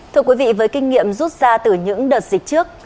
thưa quý vị với kinh nghiệm rút ra từ những đợt dịch trước